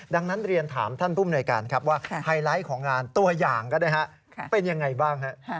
ดังนั้นเรียนถามท่านผู้มนวยการครับว่าไฮไลท์ของงานตัวอย่างก็ได้ฮะเป็นยังไงบ้างฮะ